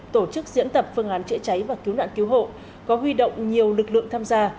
tổ chức diễn tập phương án chữa cháy và cứu nạn cứu hộ có huy động nhiều lực lượng tham gia